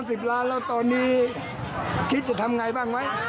สิบล้านแล้วตอนนี้คิดจะทำไงบ้างไหม